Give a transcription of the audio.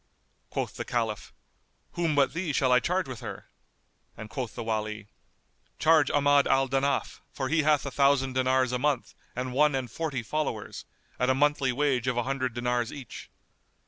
Quoth the Caliph, "Whom but thee shall I charge with her?"; and quoth the Wali, "Charge Ahmad al Danaf, for he hath a thousand dinars a month and one and forty followers, at a monthly wage of an hundred dinars each."